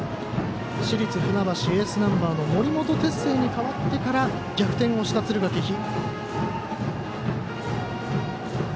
市立船橋エースナンバーの森本哲星に代わってから逆転をした敦賀気比。